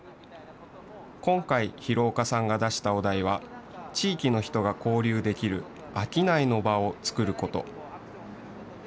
今回、廣岡さんが出したお題は、地域の人が交流できる商いの場を作ること。